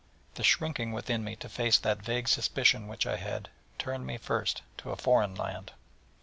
The shrinking within me to face that vague suspicion which I had, turned me first to a foreign land.